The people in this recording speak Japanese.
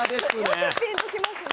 よくピンときますね。